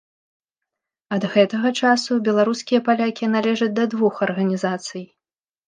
Ад гэтага часу беларускія палякі належаць да двух арганізацый.